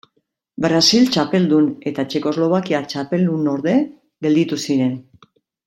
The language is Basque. Brasil txapeldun eta Txekoslovakia txapeldunorde gelditu ziren.